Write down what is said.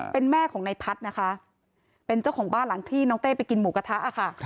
เป็นแม่ของนายพัฒน์นะคะเป็นเจ้าของบ้านหลังที่น้องเต้ไปกินหมูกระทะค่ะ